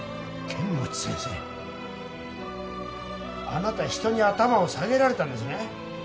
あなた人に頭を下げられたんですね